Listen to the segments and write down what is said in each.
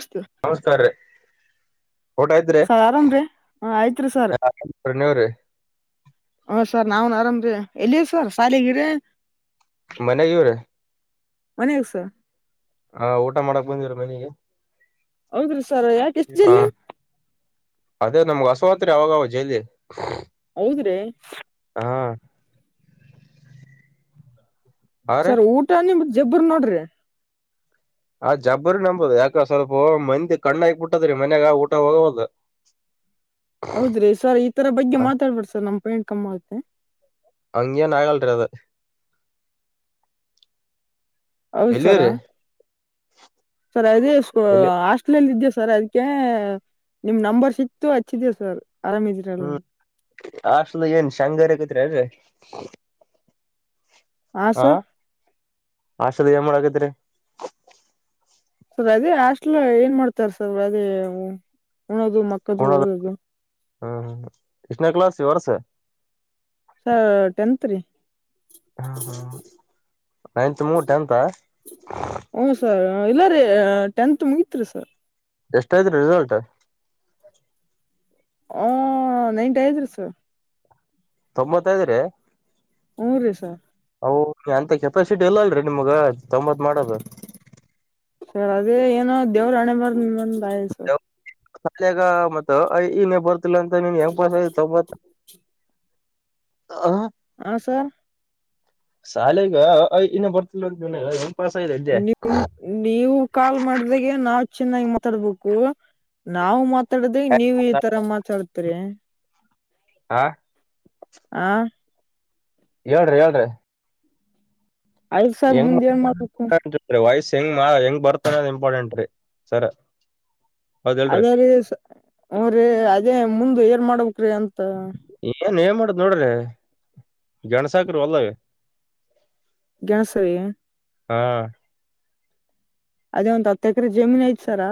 ಅಷ್ಟು [unintelligible] ನಮಸ್ಕಾರ ರೀ ಊಟ ಐತ್ರೀ ಸರ್ ಆರಾಮ್ರೀ ಹ ಆಯ್ತ್ರಿ ಸರ್ ಪ್ರಣಯವ ರ [unintelligible] ಹ ಸರ್ ನಾನ್ ಆರಾಮ್ ರೀ ಎಲ್ಲಿರ್ ಸರ್ ಶಾಲಿಗಿರಿ. ಮನೆಗೆ ರೀ ಮನೆಗ ಹಾ ಊಟ ಮಾಡಕ್ ಬಂದಿರ ಮನೆಗೆ ಹೌದು ರೀ ಸರ್ ಯಾಕೆಷ್ಟ್ ಹ ಜಿಲ್ಲಿ ಅದೇ ನಮ್ಗ್ ಹಸು ಹತ್ತಿರ ಯಾವ್ದೋ ಜಲಿ ಹೌದ್ ರೀ ಹಾ ಆ ರೀ ಸರ್ ಊಟ ನಿಮ ಜಬ್ಬರಿ ನೋಡ್ರಿ ಆ ಜಬ್ಬರಿ ನಂಬೋದು ಯಾಕೋ ಸ್ವಲ್ಪ ಮಂದಿ ಕಣ್ಣಕ್ಬಟ್ಟದ್ರೀ ಮನ್ಯಾಗ ಊಟ ಹೋಗಲ್ದೂ ಹೌದ್ರಿ ಸರ್ ಈ ತರ ಬಗ್ಗೆ ಮಾತಾಡ್ಬಾರೀ ಸರ್ ನಮ್ ಪೇಂಟ್ ಕಮ್ಮಿ ಆಗುತ್ತೆ. ಹಂಗೆನ ಆಗಲ್ರರಿ ಅದು ಹೌದ್ ಸರ ಎಲ್ಲಿರಿ ಸರ್ ಅದೆ ಎಲ್ಲಿ [unintelligible] ಹಾಸ್ಟೆಲ್ ಅಲ್ಲಿ ಇದ್ದ್ಯ ಸರ್ ಅದಕೆ ನಿಮ್ ನಂಬರ್ ಸಿಕ್ತತು ಹಚ್ಚಿದೆ ಸರ್ ಆರಾಮ್ ಇ ಹ್ಮ್ ಹಾಸ್ಟಲ್ ಏನ್ ಶಂಗಾ ಹರಕತ್ ಅಲ್ರಿ ಹಾ ಹಾಸ್ಟೆಲ್ ಏನ್ ಮಾಡಕತ್ತೀರಿ. ಸರ್ ಅದೇ ಹಾಸ್ಟೆಲ್ ಏನ್ ಮಾಡ್ತಾರೆ ಸರ್ ಅದೇ ಉಣೋದು ಮಕ್ಕದು ಉಣದು ಓದೋದು. ಹ್ಮ್ ಹ್ಮ ಎಷ್ಟ್ ನೇ ಕ್ಲಾಸ್ ಈ ವರ್ಷ್ ಸಾ ಟೆಂತ್ ರೀ ಹಾ ಹ್ಮ ನೈತ್ ಮುಗದ್ ಟೆಂತ್ ಹ ಹ್ಞ ಸರ್ ಇಲ್ಲ ರೀ ಟೆಂತ್ ಮುಗಿತ್ತ್ ರಿ ಸರ್ ಎಷ್ಟ ಆಯ್ತಾ ರಿ ರಿಸಲ್ಟ್. ಹ ನೈಟಿ ಆಯ್ತಾ ರಿ ಸರ್ ತೊಂಬತ್ತಐದ ರಿ ಹು ರೀ ಸರ್ ಓ ಅಂತ ಕೆಪಾಸಿಟಿ ಇಲ್ಲ ಅಲ್ರರಿ ನಿಮ್ಗ ತೊಂಬತ್ ಮಾಡೋದು ಸರ್ ಅದೇ ಏನೋ ದೇವ್ರು ಹಣೆ ಬರದಿಂದ್ ಆಯ್ತಾ ಹತ್ತಲ್ ಗ ಅ ಇ ನ ಬರತಿರಲಿಲ್ಲ ಅದೆಂಗ್ ಪಾಸಾ ಅದೇ ತೊಬಂತ್ತ. [unintelligible] ಹ ಸರ್ ಶಾಲೆಗೆ ಅ ಆ ಈ ಬರ್ತಾ ಇರ್ಲಿಲ್ಲ ಇವನಿಗ ನಿಮ್ಮ್ ನೀವು ಕಾಲ್ ಮಾಡಿದಾಗ ನಾವು ಚೆನ್ನಾಗಿ ಮಾತಾಡ್ಬೇಕು ನಾವು ಮತ್ತ್ ತಡದ್ ನೀವು ಈ ತರ ಮಾತಾಡ್ತರಿ. ಹಾ ಹಾ ಹೇಳ್ರಿ ಹೇಳ್ರಿ. ಐದ್ ಸಾರ್ ಮುಂದ್ ಹೆಂಗ ಏನ್ ಮಾಡ್ಬೇಕು [unintelligible] ವಯ್ಸ್ ಹೆಂಗ ಹೆಂಗ್ ಬರ್ತಾರಾ ಇಂಪಾರ್ಟೆಂಟ್ ರೀ ಸರ್ ಅದೇ ರೀ ಸ ಹು ರಿ ಅದೇ ಮುಂದ್ ಏನ ಮಾಡ್ಬೇಕ್ರೀ ಅಂತ ಏನ್ ಏನ್ ಮಾಡುದ ನೋಡ್ರಿ [inaudible] ಗೆಣಸ ಹಾಕ್ರಿ ಹೊಲ್ಲದಾಗ. ಗ್ಯಾಸ್ ವಯ್ಯಾ ಹಾ ಅದೇ ಒಂದ್ ಹತ್ತ ಎಕರೆ ಜಮೀನ್ ಐತ್ ಸರ್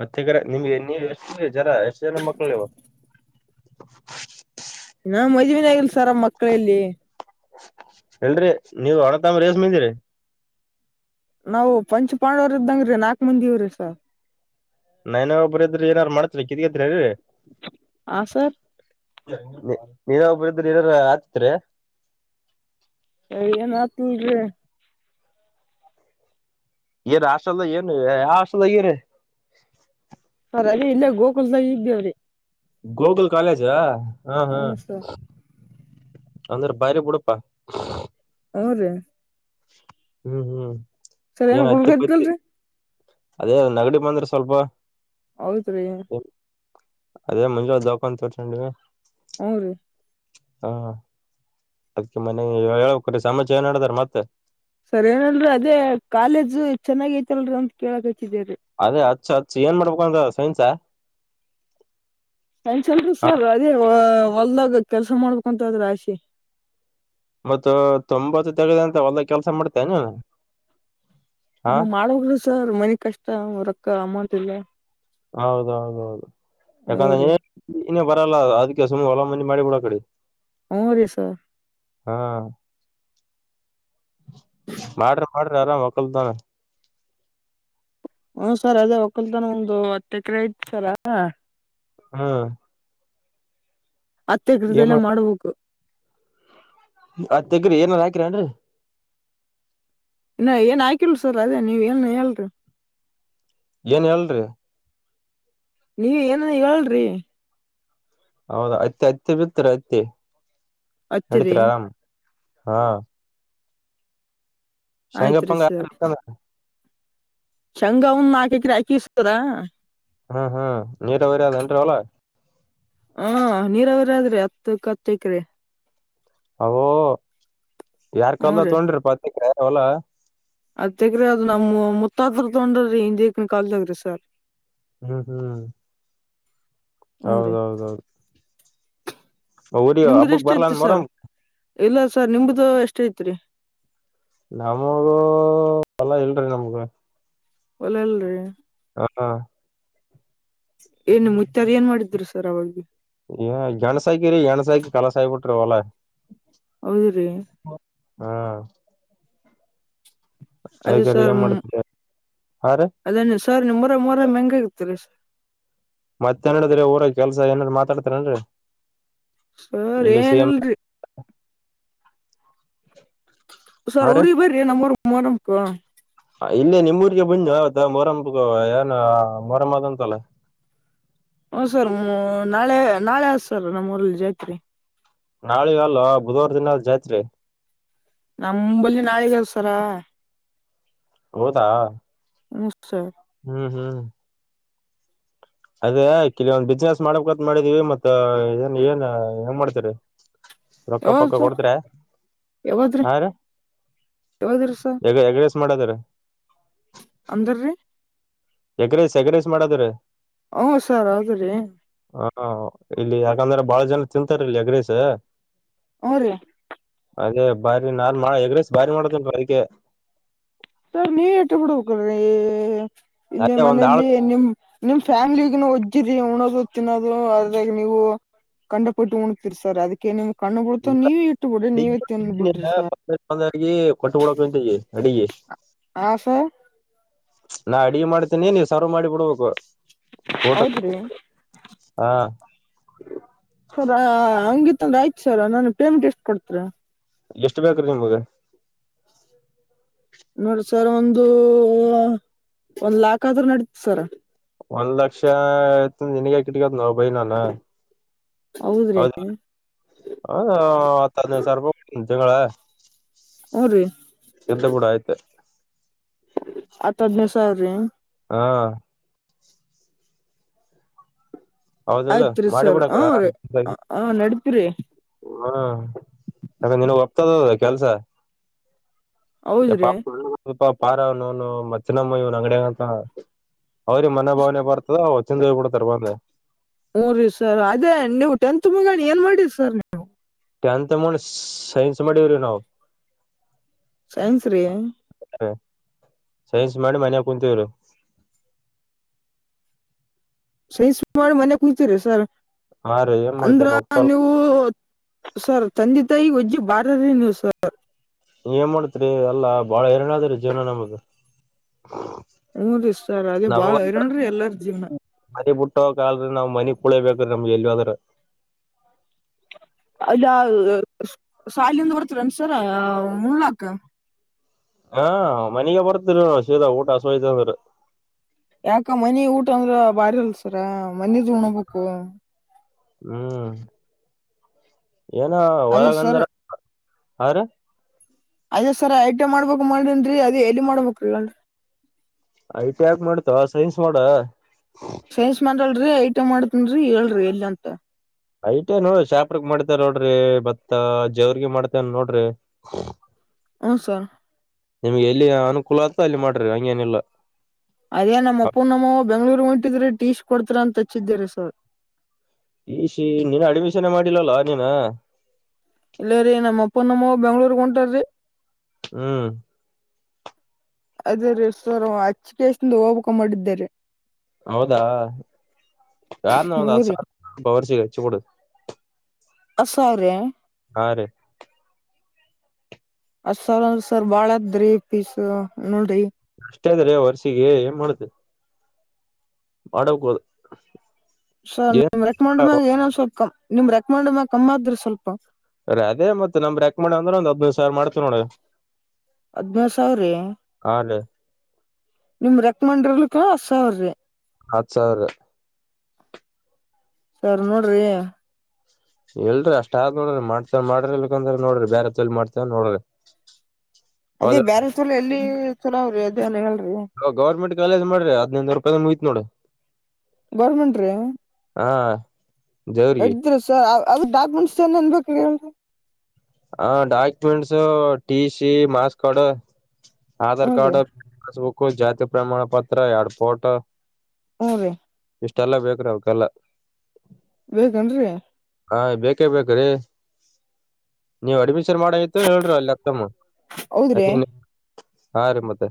ಹತ್ತ ಎಕರೆ ನಿಮ್ಗೆ ನೀ ಎಷ್ಟು ಜರ ಎಷ್ಟು ಜನ ಮಕ್ಕಳು ನೀವು. ನಾ ಮದುವಿನ ಆಗಿಲ್ಲ ಸರ್ ಮಕ್ಕಳ ಎಲ್ಲಿ. ಇಲ್ಲರಿ ನೀವು ಅಣ್ಣ ತಮ್ಮಂರ ಎಸ ಮಂದಿರಿ. ನಾವು ಪಂಚಪಾಂಡವರ ಇದ್ದಂಗ ರೀ ನಾಲ್ಕ್ ಮಂದಿ ಇವ್ರೀ ಸರ್ ನಾನ ಒಬ್ರ ಇದ್ರ ಏನರ್ ಮಾಡತ್ರಿ ಕಿರಿಯದ್ರವಿ ಹಾ ಸರ್ ನೀರ ಒಬ್ಬರ ಇದ್ರ ಏನರ್ ಆಗತಿತ್ರಿ ಎ ಏನ್ ಆತು ಈಗೆ ಏನ್ ಹಾಸ್ಟೆಲ್ ದ ಏನ ಯಾ ಹಾಸ್ಟೆಲ್ ಆಗಿರ ಅದ ಆಯಿ ಇಲ್ಲೇ ಗೋಕುಲ್ದಾಗ ಇದ್ದೇವ್ರೀ. ಗೋಕುಲ್ ಕಾಲೇಜಾ ಹಾ ಹಾ ಹ್ಞೂ ಸರ್ ಅಂದ್ರೆ ಪೈರಿ ಬುಡಕ. ಹು ರಿ ಹ್ಮ್ ಹ್ಮ್ ಸರ್ ಏನೋ ಏನ್ ಹುಡುಗ ಹತ್ತಿ ಪತ್ತಿ ಇದ್ದಲ್ರಿ ಅದೇ ನಗಡಿ ಬಂದ್ರೆ ಸ್ವಲ್ಪ. ಹೌದ್ರೀ [inaudible] ಅದೇ ಮುಂಜಾನೆ ದಾವಾಖಾನಿಗೆ ತೋರ್ಸಕೊಂಡಿವಿ. ಹ್ಞೂ ರೀ ಹಾ ಅದ್ಕ್ಕೆ ಮನೆ ಹೇಳಬೇಕ್ ರಿ ಸಮಾಚಯ ಏನ ನಡದಾರೆ ಮತ್ತೆ ಸರಿ ಏನಲ್ರೀ ಅದೇ ಕಾಲೇಜು ಚಾನ್ನಗಿ ಐತೆಲ್ರರಿ ಅಂತ ಕೇಳಕ್ ಹಚ್ಚಿದೇರಿ. ಅದೇ ಅಚ್ಚ ಅಚ್ಚ ಏನ್ ಮಾಡ್ಬೇಕು ಅಂದ ಸೈನ್ಸ. ಸೈನ್ಸ್ ಅಲ್ಲ ರಿ ಹ ಸರ್ ಅದೇ ಹೊಲ್ದಾಗ ಕೆಲ್ಸ ಮಾಡಬೇಕ ಅಂತ ಅದ್ರೆ ಆಸೆ. ಮತ್ತ್ ತೊಂಬತ್ತ ತೆಗದ ಅಂತ ಹೊಲದಾಗ ಕೆಲ್ಸ ಮಾಡ್ತೀನ್. ಮಾಡೋಗರು ಸರ್ ಮನಿ ಕಷ್ಟ ರೊಕ್ಕ ಅಮೌಂಟ್ ಇಲ್ಲ ಹೌದೌದೌದು ಹ್ಞೂ ರೀ ಯಾಕಂದ್ರೆ ಇನ್ನೇ ಬರಲ್ಲ ಅದಕ್ಕೆ ಸುಮ್ನೆ ಹೊಲ ಮನಿ ಮಾಡಿ ಬಿಡ ಕಡೆ ಹೂ ರೀ ಸರ್ ಹಾ ಮಾಡ್ರಿ ಮಾಡ್ರಿ ಆರಾಮ್ ಹಕಲ್ದಾನ ಹೂ ಸರ್ ಅದೇ ಒಕ್ಕಲ್ತನ ಒಂದು ಹತ್ತು ಎಕರೆ ಐತ್ ಸರ ಹಾ ಹತ್ತೆ ಎಕರೆ ಏನ್ ಎಲ್ಲಿ ಮಾಡ ಮಾಡಬೇಕು ಹತ್ ಎಕರೆ ಏನರ ಹಾಕಿರೇನ್ರಿ ಇನ್ ಏನ್ ಹಾಕಿಲ್ ಸರ್ ಅದೇ ನೀವ ಏನ ಹೇಳರಿ ಏನ್ ಹೇಳ್ರರಿ ನೀ ಏನ ಹೇಳಲ್ರಿ ಹೌದ ಅತ್ತ ಅತ್ತಿ ಬಿತ್ತರಿ ಅತ್ತಿ ಹತ್ತಿರಿ ನಡತ್ರಿ ಆರಾಮ್ ಹಾ ಆಯ್ತ್ರಿ ಸಂಂಗಪ್ಪಂಗ ಚಂಗ ಅವನ್ ನಾಕ್ರ ಹಾಕಿಸ್ತದಾ ಹ್ಹೂ ಹೂ ನೀರವಾರಿ ಆದ ಏನ್ರಿ ಹೊಲ ಹ ನೀರ ಅವರಾದ್ರಿ ಹತ್ತಕ್ಕ ಹತ್ತೈಕ್ರಿ ಅವ್ವೋ ಯಾರ್ ಹ್ಞೂ ಕಲ್ದ ರೀ ತೋೊಂಡ್ರಿ ಬಂದ್ನಿಕಾಯಿ ಹೊಲ ಹತ್ತ ಎಕರೆ ಆದ ನಾಮ್ ಮುತ್ತತ್ರ ತಗೊಂಡ್ರರಿ ಹಿಂದಕ್ ಕಾಲಲ್ದಗ್ರಿ ಸರ್ ಹೂ ಹೂ ಹ್ಞೂ ರೀ ಹೌದೌದೌದು ಊರಿ ನಿಮ್ದ ಹಬ್ಬಕ್ ಎಷ್ಟ ಐತಿ ಬರ್ಲನ್ ಸರ್ ಮೊರಂ ಎಲ್ಲ ಸರ್ ನಿಮ್ದ ಎಷ್ಟ ಐತ್ರಿ ನಮ್ದು ಹೊಲ ಇಲ್ರಿ ನಮ್ದು ಹೊಲ ಇಲ್ಲ ರಿ ಹಾ ನಿಮ್ ಮುತ್ತೆರಾ ಏನ್ ಮಾಡಿದ್ರು ಸರ್ ಅವಾಗ್ ಏ ಗಣ್ಸಾಯಕಿ ರರಿ ಎಣ್ಸಾಯಕಿ ಕಲಸ ಆಬಿಟ್ರಿ ಹೊಲಾ ಹೌದ್ರೀ ಹಾ ಅದೇ ಅದಕರಿ ಸರ್ ಏನ್ ಮ್ ಮಾಡ್ತಿರಿ ಹಾ ರೀ ಅದೇನೆ ಸಾರ್ ನಿಮ್ಮೂರಗ ಮೊಹರಂ ಹೆಂಗ್ ಆಗತ್ರಿ ಸರ್ ಮತ್ತೆನಡಿದ್ರ ಊರ ಕೆಲ್ಸ ಏನಾರ್ ಮಾತಾಡ್ತಾರೇನ್ರಿ ಸರಿ ಇಲ್ಲಿ ಸಿಎಂ ಏನಿಲ್ರಿ ಹಾ ಸರ್ ರೀ ಊರಿಗೆ ಬರ್ರಿ ನಮ್ಮೂರು ಮೊರಂಕು ಆ ಇಲ್ಲೇ ನಿಮ್ಮೂರಿಗೆ ಬಂದೋ ಅದ ಮೊರಮ ಬ ಏನ ಅ ಮೊರಮ ಅದಂತಲ್ಲ ಹೊ ಸರ್ ಮ್ ನಾಳೆ ನಾಳೆ ಆದು ಸರ್ ನಮ್ಮೂರಲ್ಲಿ ಜಾತ್ರಿ ನಾಳೆಗೆ ಅಲ್ವಾ ಬುಧವಾರ ದಿನ ಜಾತ್ರಿ ನಂಬ್ಬಲ್ಲಿ ನಾಳಿಗಲ್ಲ ಸರಾ ಹೌದಾ ಹೂ ಸರ್ ಹೂ ಹೂ ಅದೇ ಕೆಲವೊಂದ್ ಬಿಸ್ನೆಸ್ ಮಾಡಬೇಕಂತ ಮಾಡಿದೀವಿ ಮತ್ತ ಏನ್ ಏನ್ ಹೆಂಗ್ ಮಾಡ್ತರಿ ರೊಕ್ಕ ಯಾವಾಗ ಪಕ್ಕ ಸರ್ ಕೊಡ್ತ್ರೆ ಹ ರೀ ಯಾವಾಗ ಇರುತ್ತೆ ಸರ್ ಮಾಡದ್ರ ಅಂದ್ರ ರೀ ಎಗ್ರೈಸ್ ಎಗ್ರೈಸ್ ಮಾಡದ್ರಿ ಹೂ ಸರ್ ಹೌದ್ರೀ ಹಾ ಇಲ್ಲಿ ಯಾಕಂದ್ರೆ ಬಹಳ ಜನ ತಿಂತಾರ ಇಲ್ಲಿ ಎಗ್ರೈಸ್ ಹೂರೀ ಅದೇ ಬಾರಿ ನಾನ್ ಮಾ ಎಗ್ರೈಸ್ ಬಾರಿ ಮಾಡ್ತೇನಲ್ಲ ಅದಕ್ಕೆ ಸರ್ ನೀವಿಟ್ಟು ಬಿಡ್ಬೇಕಲ್ರೀ ಈ ಇಲ್ಲಿ ಅದೇ ಒಂದ್ ಆಳ್ ಮನೇಲಿ ನಿಮ್ ನಿಮ್ ಫ್ಯಾಮಿಲಿಗುನು ಒಜ್ಜಿರಿ ಉಣೋದು ತಿನ್ನೋದು ಅದ್ರಾಗ ನೀವು ಕಂಡಪಟ್ಟೆ ಉಣ್ತಿರಿ ಸರ್ ಅದಕ್ಕೇ ನಿಮ್ ಕಣ್ಣು ಬಿಳ್ತ್ ನೀವೇ ಇಟ್ಟು ಬಿಡ್ರಿ ನೀವೇ ತಿಂದು ಬಿಡ್ರಿ ಸರ್ ಒಂದೊಂದಾಗಿ ಕೊಟ್ಟಬಿಡಕ ಅಂತ ಈ ಅಡಿಗೆ ಅ-ಹಾ ಸ ನಾ ಅಡಿಗೆ ಮಾಡ್ತೇನಿ ನೀ ಸರ್ವ್ ಮಾಡಿ ಬಿಡ್ಬೇಕು ಊಟಕ್ ಹೌದ್ರಿ ಹಾ ಸರ್ ಹಂಗಿತ್ತಂದ್ರೆ ಆಯ್ತು ಸರ್ ನನ್ ಪೇಮೆಂಟ್ ಎಷ್ಟ್ ಕೊಡ್ತರ ಎಷ್ಟು ಬೇಕ ರೀ ನಿಮ್ಗೆ ನೋಡ ಸರ್ ಒಂದು ಒಂದ್ ಲಾಖ ಆದ್ರ ನಡತ್ ಸರ್ ಒಂದ್ ಲಕ್ಷ ಆಯತ ನಿನಗ ಕಿಟ್ಕದ ನವು ಬೈ ನಾನ ಹೌದ್ರಿ ಹೌದ ಹ ಹದನೈದು ಸಾವರ ಜಂಗಳ ಊ ರೀ ಎದ್ದು ಬಿೂಡು ಆಯ್ತೆ ಅತಡ್ನ ಸಾವ ರೀ ಹಾ ಹೌದಲ್ಲ ಆಯ್ತ್ರಿ ಸರ್ ಮಾಡಿಬಿಡ ಆ ಹ ಕಡೆ ರೀ ಆರಾಮ್ ಹ ನಡಪಿರಿ ಹ್ಮ ಯಾಕ ನಿನಗ್ ಹೋಗ್ತದ ಕೆಲ್ಸ ಯ ಹೌದ್ರಿ ಪಾ ಪಾ ಪಾರ ಅವನನು ಮ್ನಮ್ಮ ಇವನ್ ಅಂಗಡಿಯಗಂತ ಅವ್ರಿಗೆ ಮನ ಭಾವನೆ ಬರ್ತದ ಚಂದ ಕೊಡ್ತಾರೆ ಬಂದೆ ಮೂಊ ರೀ ಸರ್ ಅದೇ ನೀವು ಟೆಂತ್ ಮುಗಣಿ ಏನ್ ಮಾಡಿ ಸರ್ ನೀವು ಟೆಂತ್ ಮಾಡ ಸೈನ್ಸ್ ಮಾಡಿವವ್ರೀ ನಾವು ಸೈನ್ಸ್ ರೀ ಅ ಸೈನ್ಸ್ ಮಾಡಿ ಮನ್ಯಾಗ ಕುೂಂತೀವ್ರು ಸೈಸ್ ಮಾಡಿ ಮನೆ ಕುತೀರಿ ಸರ್ ಹಾ ರೀ ಏನ್ ಅಂದ್ರ ಮಾಡ್ತೇವ್ರಿ ರೊಕ್ಕಲ್ಲ ನೀವು ಸರ್ ತಂದೆ ತಾಯಿ ಒಜ್ಜಿ ಬಾರ್ರರಿ ನೀವು ಸರ್ ಏನ್ ಮಾಡ್ತ್ರಿ ಎಲ್ಲಾ ಬಾಳ ಎರಡಾದ್ರೀ ಜೀವನ ನಮ್ದ ನಮಗಂತ್ತು ಇಷ್ಟ ರೀ ಅದೇ ಬಾಳ ಹೈರಣನ್ರಿ ಎಲ್ಲಾರ ಜೀವನ ಮನಿ ಬಿಟ್ಟೋಗಕ್ ಆಗಲ್ರಿ ನಾವ್ ಮನೆಗ್ ಕುಳೇಬೇಕ್ರೀಮಗೆ ಎಲ್ಲಿಹೋದ್ರರ. ಅಲ್ಲ ಸಾಲಿಯಿಂದ ಬರ್ತೀರ್ ಏನ್ ಸರ್ ಉಣ್ಣಾಕ್. ಹಾ ಮನೆಗೆ ಬರ್ತರಿ ಹಸು ಊಟ ಹಸು ಆಯ್ತಂದ್ರ. ಯಾಕ ಮನಿ ಊಟ ಅಂದ್ರ ಬಾರಿ ಅಲ್ಸರ ಮನಿದ ಉಣಬೇಕು. ಹ್ಮ್ ಏನ ಅದೇ ಸರ್ ಒಳಗಂಧರ ಹಾ ರಿ ಅದೇ ಸರ್ ಐಟೆ ಮಾಡ್ಬೇಕು ಮಾಡಿನ್ರೀ ಅದೇ ಎಲ್ಲಿ ಮಾಡ್ಬೇಕ ಹೇಳ್ರಿ. ಐ ಟಿ ಯಾಕ್ ಮಾಡತೋ ಸೈನ್ಸ್ ಮಾಡ. ಸೈನ್ಸ್ ಮಾಡಲ್ರಿ ಐಟೆ ಮಾಡ್ತೀನ್ರಿ ಹೇಳ್ರಿ ಎಲ್ಲಂತ. ಐಟೆ ನೋಡ್ರಿ ಶಾಪುರ್ಕ್ ಮಾಡ್ತಿರೇನ್ ನೋಡ್ರಿ ಮತ್ತ ಜೋರ್ಗಿ ಮಾಡ್ತೀರೇನ್ ನೋಡ್ರಿ ಹೂ ಸರ್ ನಿಮ್ಗೆ ಎಲ್ಲಿ ಅನುಕೂಲ ಆತದ ಅಲ್ಲಿ ಮಾಡ್ರಿ ಹಂಗೇನಿಲ್ಲ ಅದೇ ನಮ್ಮ ಅಪ್ಪ ನಮ್ಮ ಬೆಂಗ್ಳೂರ್ ಹೊಂಟ್ಟಿದ್ರೆ ಟೀಶ ಕೊಡ್ತೀರಾ ಅಂತ ಹಚ್ಚಿದ್ದೇರಿ ಸರ್ ಈ ಟಿಸಿ ಇನ್ನೂ ಅಡ್ಮಿಷನ್ ಮಾಡಿಲ್ಲಲೋ ನೀನೂ ಇಲ್ಲ ರೀ ನಮ್ಮ ಅಪ್ಪ ನಮ್ಮ ಅವ್ವ ಬೆಂಗಳೂರಿಗೆ ಹೊಂಟಾರ್ ಹ್ಮ್ ಅದೇ ರೀ ಸರ ಹಚ್ಚಕೆಸಿ ಹೋಗ್ಬೇಕಂತ್ ಮಾಡಿದ್ದೆ ರಿ ಹೌದಾ ಯಾರನ ಒಂದ ಹ್ಞೂ ಹತ್ತ ರೀ ಸಾವಿರ ಕೋರ್ಸಿಗಿ ಹಚ್ಚಿಬಿಡು ಹತ್ತ ಸಾವಿರ ರ್ಯಾ ಹಾ ರೀ ಹತ್ತ ಸಾವಿರ ಅಂದ್ರ ಸರ್ ಬಾಳ ಆತದ್ರಿ ಫೀಸ್ ನೋಡ್ರಿ ಅಷ್ಟೇ ಆದ ರಿ ವರ್ಷಿಗೆ ಏನ ಮಾಡೋದು ತೊಡೆಕೂಡು ಸರ್ ನಿಮ್ ರೆಕಮಂಡ್ ಮ್ಯಾಗ ಏನ ಸ್ವಲ್ಪ ಕ ನಿಮ್ ರೆಕಮಾಂಡ್ ಮ್ಯಾಗ ಕಮ್ಮ ಆಕದ್ರಿ ಸ್ವಲ್ಪ ಅ ಅದೇ ಮತ್ತ ನಮ ರೆಕ್ಮ್ಯಾಂಡ್ ಅಂದ್ರ ಒಂದ್ ಹಡನೈದು ಸಾವಿರ ಮಾಡ್ತತಿ ನೋಡ ಹದನೈದು ಸಾವಿರೀ ಹಾ ರೀ ನಿಮ ರೆಕ್ಮಂಡರ್ಲಿಕ್ಕ ಹತ್ತ ಸಾವಿರ ರೀ ಹತ್ ಸಾವಿರ ಸರ್ ನೋಡ್ರಿ ಇಲ್ರಿ ಅಷ್ಟ ಆಗ್ ನೋಡ್ರಿ ಮಾಡ್ತವ ಮಾಡ್ರಿ ಇಲ್ಕಂದ್ರ ನೋಡ್ರಿ ಬೇರೆ ಹತ್ಲಿ ಮಾಡ್ತವ ನೋಡ್ರಿ ಅದೇ ಹೌದ ಬೇಾರ ಚಲ ಎಲ್ಲಿ ಚಲ ಅವ್ರಿ ಅದೇಲ್ಲ ಹೇಳ್ರಿ ಗೌರ್ಮಂಟ್ ಕಾಲೇಜ ಮಾಡ್ರ ಹದ್ೈಂದು ರೂಪಾಯ ಮುಯ್ತ್ ನೋಡು ಗೌರ್ಮೆಂಟ್ ರೀ ಹಾ ದೇವ್ರಿಗೆ ಎಡ್ರ ಸರ್ ಅವ್ರ ಡಾಕ್ಯುಮೆಂಟ್ ಏನು ಏನು ಬೇಕು ಏಳು ರಿ ಹ documents T C marks card Aadhaar ಹ್ಞೂ ರೀ ಕಾರ್ಡ್ ಪಸ್ಬುಕ್ ಜಾತಿ ಪ್ರಮಾಣ ಪತ್ರ ಎಡ್ಪೋರ್ಟ್ ಹ್ಮ್ಮ್ ರೀ ಇಷ್ಟೆಲ್ಲ ಬೇಕು್ರೀ ಅವಕ್ಕೆಲ್ಲ ಬೇಕು ಏನು ರಿ ಹಾ ಬೇಕೇ ಬೇಕ್ರೀ ನೀವು ಅಡ್ಮಿಷನ್ ಮಾಡು ಆಯ್ತು ಹೇಳಿ ಅಲ್ಲಿ ಅತ್ತಮ್ಮ ಹೌದ್ರಿ ಹಾ ರೀ ಮತ್ತೆ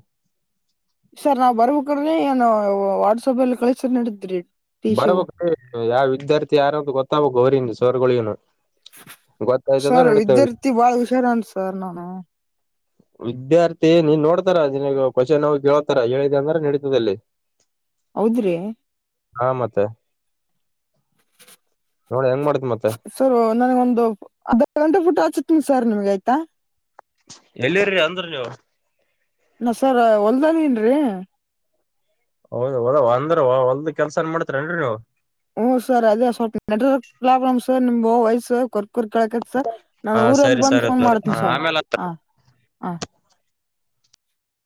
ಸರ್ ನಾವ್ ಬರ್ಬೇಕಡ್ರಿ ಏನು ವಾಟ್ಸಪ್ಲ್ಲಿ ಕಳಸ ನಡಿದ್ರಿ ಟಿ ಶವು ಬರ್ಬಕ್ ಯಾವ ವಿದ್ಯಾರ್ಥಿ ಯಾರ ಅಂತ ಗೊತ್ತಾಗಬಬೇಕು ಅವರಿಂದ ಸೋರ್ಗಳನು ಸರ್ ವಿದ್ಯಾರ್ಥಿ ಬಾಳ ಹುಷಾರ ಅಂ ಸರ್ ನಾನು ವಿದ್ಯಾರ್ಥಿ ನೀನ್ ನೋಡ್ತಾರ ನಿಿನ ಕ್ವನ್ ಕೇತಾರ ಹೇಳಿದೆ ಅಂದ್ರೆ ನಡೀತದಲ್ಲಿ ಹೌದ್ರಿ ಹಾ ಮತ್ತೆ ನೋಡಿ ಹೆಂಗ ಮಾಡತಿ ಮತ್ತೆ ಸರ್ ನನಗ ಒಂದು ಅರ್ ಗಂಟೆ ಪುಟ್ಟ ಆಚತನಿ ಸರ್ ನಿಮಗೆ ಆಯ್ತಾ ಎಲ್ಲಿರಿ ಅಂದ್ರ ನೀವು ನ ಸರ್ ಹೊಲ್ದಾನ ನ್ರೀ ಹೌದ್ ಹೌದ ಅಂದ್ರ ಹೊಲ್ದ ಕೆಲ್ಸಾನ್ ಮಾಡತರಿೇನ್ರಿ ನೀವು ಹ್ ಸರ್ ಅದೇ ಸ್ವಲ್ಪ ನೆಟ್ವರ್ಕ್ ಪ್ರಾಬ್ಲಮ್ ಸರ್ ನಿಮ್ ವಯಸ್ಸ ಕೊ ರ್ ಕಕತ್ ಸರ್ ನಾನ ಹಾ ಊರಲ್ಲಿ ಸರಿ ಬಂದು ಸರಿ ಫೋನ್ ತೋರಿ ಮಾಡ್ತನ ಸರ್ ಆಮೇಲೆ ಹ ಹ